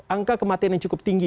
angka kematian yang cukup tinggi